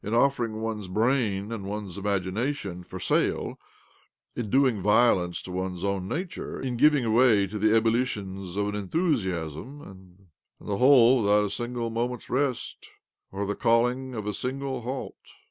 UliLUMUV 43 offering one's brain and one's imagination for sale, in doing violence to one's own nature, in giving way to ebullitions of enthusiasm —and the whole without a single moment's rest, or the calling of a single halt